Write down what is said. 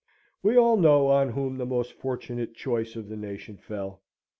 We all know on whom the most fortunate choice of the nation fell.